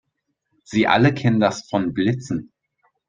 Sie alle kennen das von Blitzen.